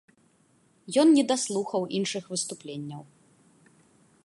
Ён недаслухаў іншых выступленняў.